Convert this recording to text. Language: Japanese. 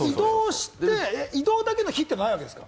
移動だけの日ってないでしょ？